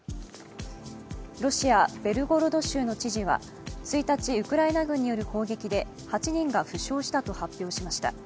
ロシア・ベルゴロド州の知事は１日、ウクライナ軍による砲撃で８人が負傷したと発表しました。